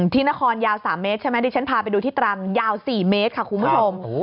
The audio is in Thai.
ที่นครยาว๓เมตรใช่ไหมดิฉันพาไปดูที่ตรังยาว๔เมตรค่ะคุณผู้ชม